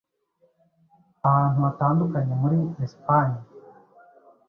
ahantu hatandukanye muri Espagne